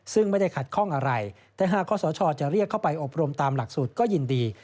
ซึ่งไม่ได้ขัดข้องอะไรแต่หากคอสชจะเรียกเข้าไปอบรมตามหลักสูตรก็ยินดี